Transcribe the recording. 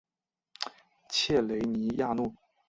切雷尼亚诺。